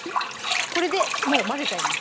これでもう混ぜちゃいます